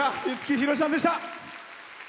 五木ひろしさんでした。